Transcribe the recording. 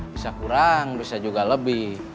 bisa kurang bisa juga lebih